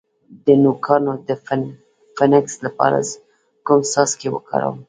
د نوکانو د فنګس لپاره کوم څاڅکي وکاروم؟